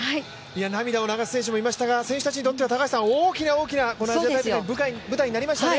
涙を流す選手もいましたが、選手たちにとっては大きな大きなアジア大会の舞台になりましたね。